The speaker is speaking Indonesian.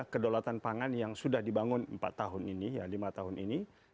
kedaulatan pangan yang sudah dibangun empat tahun ini ya lima tahun ini